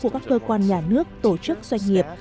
của các cơ quan nhà nước tổ chức doanh nghiệp